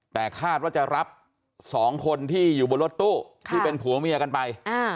แต่คาดว่าจะรับ๒คนที่อยู่บนรถตู้ที่เป็นผัวเมียกันไป